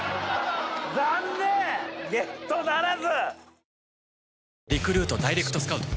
残念ゲットならず！